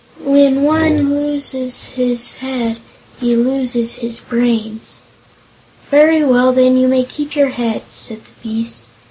When one loses his head he loses his brains." "Very well, then; you may keep your head," said the beast.